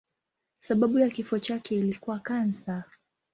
Sababu ya kifo chake ilikuwa kansa.